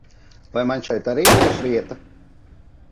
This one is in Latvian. Vai man šeit arī būs vieta?